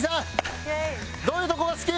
どういうとこが好き？